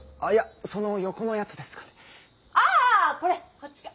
こっちか。